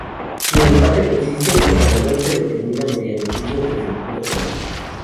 Si el empate persiste, el ganador se determina mediante tiros desde el punto penal.